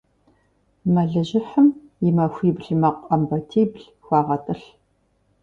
Мэлыжьыхьым и махуибл мэкъу Ӏэмбатибл хуэгъэтӀылъ.